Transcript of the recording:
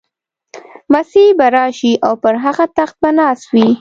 مسیح به راشي او پر هغه تخت به ناست وي.